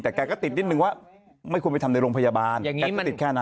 แต่แกก็ติดนิดนึงว่าไม่ควรไปทำในโรงพยาบาลแกก็ติดแค่นั้น